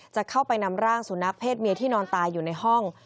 จะเข้าไปนำร่างสุนัขเศษเมียที่นอนตายอยู่ในห้อง